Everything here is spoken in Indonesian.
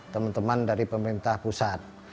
teman teman dari pemerintah pusat